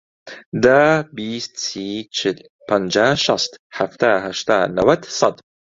دە، بیست، سی، چل، پەنجا، شەست، حەفتا، هەشتا، نەوەت، سەد.